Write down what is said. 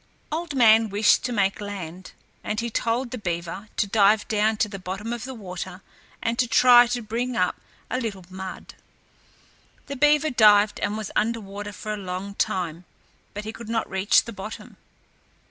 Old Man wished to make land, and he told the beaver to dive down to the bottom of the water and to try to bring up a little mud. The beaver dived and was under water for a long time, but he could not reach the bottom.